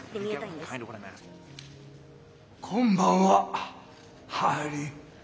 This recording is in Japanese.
こんばんはハリー。